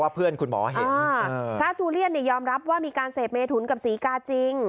พระจูเลียนยอมรับว่ามีการเสพเมทุนกับศรีกาจริง